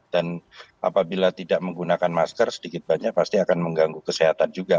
dan apabila tidak menggunakan masker sedikit banyak pasti akan mengganggu kesehatan juga